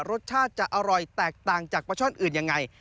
รสชาติจะอร่อยแตกต่างจากปลาช่อนอื่นยังไง